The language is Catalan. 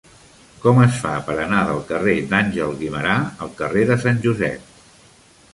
Com es fa per anar del carrer d'Àngel Guimerà al carrer de Sant Josep?